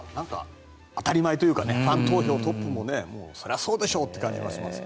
当たり前というかファン投票トップもそれはそうでしょうという感じがしますが。